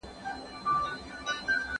آیا ټول خلګ د یوې اندازې پوهه لري؟